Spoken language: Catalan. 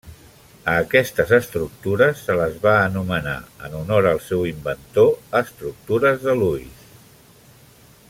A aquestes estructures se les va anomenar, en honor al seu inventor, estructures de Lewis.